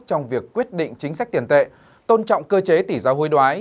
trong việc quyết định chính sách tiền tệ tôn trọng cơ chế tỷ giáo hối đoái